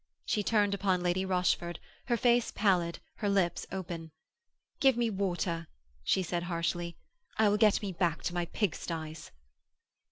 She turned upon Lady Rochford, her face pallid, her lips open: 'Give me water,' she said harshly. 'I will get me back to my pig sties.'